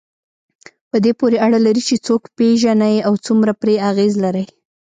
په دې پورې اړه لري چې څوک پېژنئ او څومره پرې اغېز لرئ.